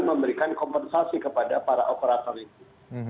memberikan kompensasi kepada para operator itu